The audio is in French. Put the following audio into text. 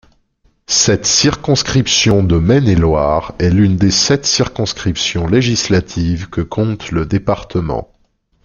Cette circonscription de Maine-et-Loire est l'une des sept circonscriptions législatives que compte le département.